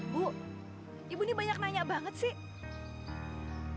bu ibu ini banyak nanya banget sih